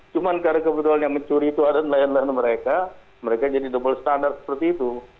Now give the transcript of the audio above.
cuma karena kebetulan yang mencuri itu ada nelayan nelayan mereka mereka jadi double standard seperti itu